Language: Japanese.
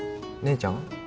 姉ちゃん？